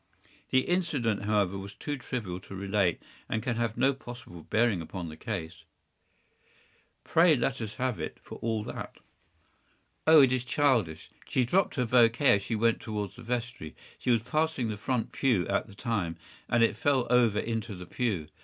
The incident, however, was too trivial to relate, and can have no possible bearing upon the case.” “Pray let us have it, for all that.” “Oh, it is childish. She dropped her bouquet as we went towards the vestry. She was passing the front pew at the time, and it fell over into the pew.